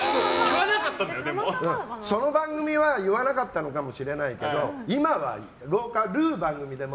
その番組は言わなかったのかもしれないけど今はローカルー番組でも